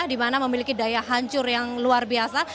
di mana memiliki daya hancur yang luar biasa